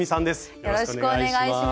よろしくお願いします。